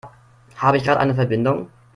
Habe ich gerade eine Verbindung?